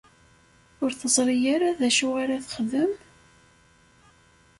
Ur teẓri ara d acu ara texdem?